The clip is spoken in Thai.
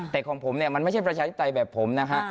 แต่ของผมเนี่ยมันไม่ใช่ประชาธิปไตยแบบผมนะฮะ